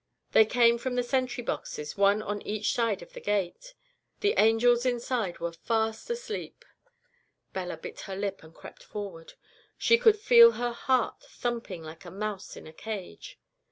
They came from the sentry boxes, one on each side of the gate. The angels inside were fast asleep. Bella bit her lip and crept forward. She could feel her heart jumping like a mouse in a cage.